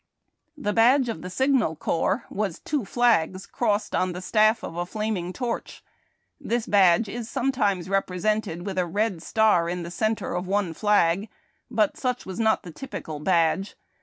The badge of the Signal Corps was two flags crossed on the staff of a flaming torch. This badge is sometimes repre sented with a red star in the centre of one flag, but such was not the typical badge.